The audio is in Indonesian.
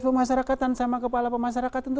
pemasarakatan sama kepala pemasarakatan